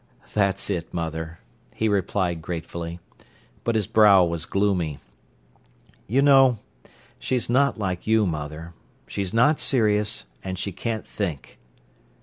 "That's it, mother," he replied gratefully. But his brow was gloomy. "You know, she's not like you, mother. She's not serious, and she can't think."